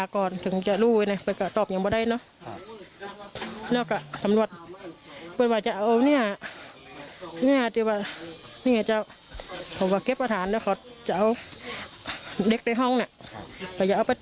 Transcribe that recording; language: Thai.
ขอบคุณครับ